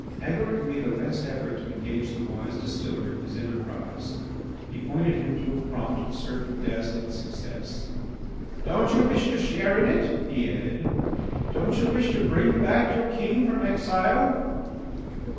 Agaric made a last effort to engage the wise distiller in his enterprise. He pointed him to a prompt, certain, dazzling success. "Don't you wish to share in it?" he added. "Don't you wish to bring back your king from exile?"